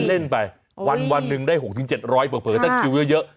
เอ้ยวันนึงได้๖๗๐๐บาทเผลอก็คิ้วเยอะ